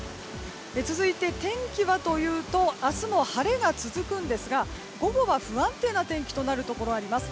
続いて、天気はというと明日も晴れが続くんですが午後は不安定な天気となるところがあります。